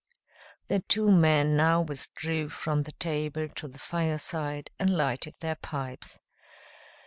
The two men now withdrew from the table to the fireside and lighted their pipes.